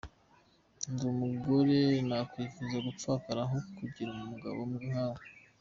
ndi umugore nakwifuza gupfakara aho kugira umugabombwa nkawe.